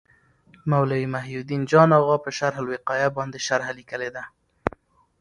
مولوي محي الدین جان اغا په شرح الوقایه باندي شرحه لیکلي ده.